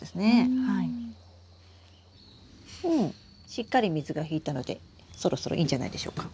しっかり水が引いたのでそろそろいいんじゃないでしょうか。